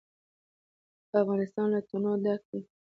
افغانستان له تنوع ډک دی.